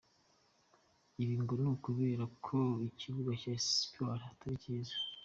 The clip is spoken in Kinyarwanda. Ibi ngo ni ukubera ko ikbuga cya Espoir atari cyiza.